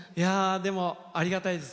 でも、ありがたいです。